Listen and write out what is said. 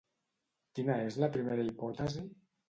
Quina és la primera hipòtesi?